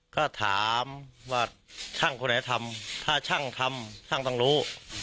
ก็ถามว่าช่างคนไหนทำถ้าช่างทำช่างต้องรู้